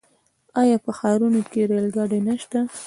آیا په ښارونو کې ریل ګاډي نشته؟